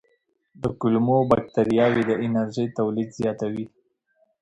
د کولمو بکتریاوې د انرژۍ تولید زیاتوي.